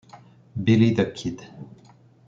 Billy the Kid.